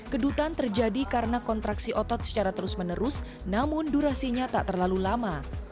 kedutan terjadi karena kontraksi otot secara terus menerus namun durasinya tak terlalu lama